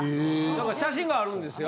なんか写真があるんですよ。